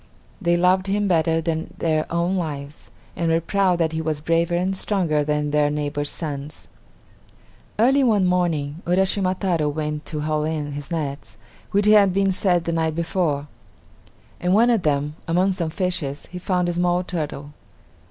They loved him better than their own lives, and were proud that he was braver and stronger than their neighbors' sons. Early one morning, Uraschima Taro went to haul in his nets, which had been set the night before. In one of them, among some fishes, he found a small turtle.